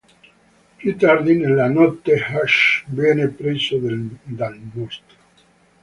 Più tardi nella notte, Hutch viene preso dal mostro.